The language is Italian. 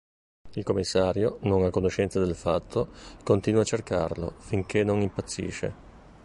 Il commissario, non a conoscenza del fatto, continua a cercarlo, finché non impazzisce.